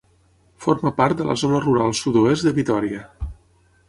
Forma part de la Zona Rural Sud-oest de Vitòria.